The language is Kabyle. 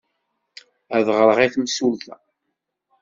Ad ɣreɣ i temsulta.